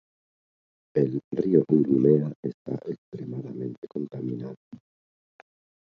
Talde batzuk zehatz definitzen ditu, ugaztunen eta hegaztien klaseak bezala.